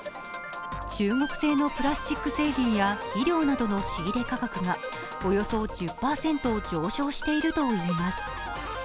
中国製のプラスチック製品や肥料などの仕入価格がおよそ１０％上昇しているといいます。